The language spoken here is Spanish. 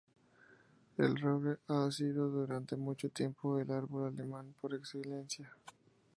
El roble ha sido durante mucho tiempo el árbol "alemán" por excelencia.